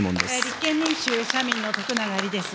立憲民主・社民の徳永エリです。